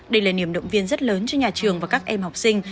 đây là niềm động viên rất lớn cho nhà trường và các em học sinh